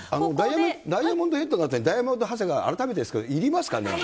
ダイヤモンド富士のあとにダイヤモンド長谷川、改めてですけど、いりますかね？